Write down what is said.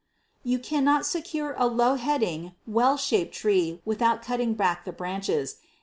You cannot secure a low heading, well shaped tree without cutting back the branches.